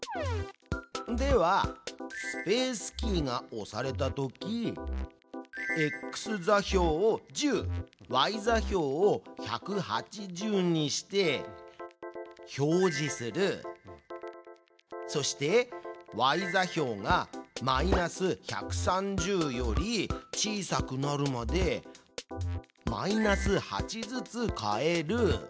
では「スペースキーが押されたとき」「ｘ座標を１０」「ｙ座標を１８０」にして「表示する」。そしてｙ座標がマイナス１３０より小さくなるまでマイナス８ずつ変える。